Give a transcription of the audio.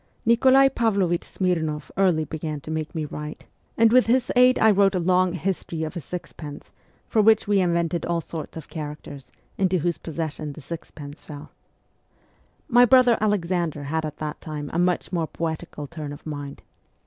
Nikolai Pavlovich Smirnoff early began to make me 78 MEMOIRS OF A REVOLUTIONIST write, and with his aid I wrote a long ' History of a Six pence,' for which we invented all sorts of characters, into whose possession the sixpence fell. My brother Alexander had at that time a much more poetical turn of mind.